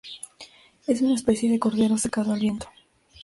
Es una especie de cordero secado al viento.